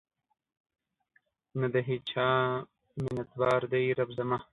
نه د هیچا منتبار دی رب زما